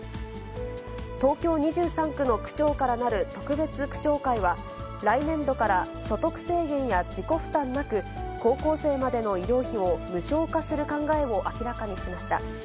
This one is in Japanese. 東京２３区の区長からなる特別区長会は、来年度から所得制限や自己負担なく、高校生までの医療費を無償化する考えを明らかにしました。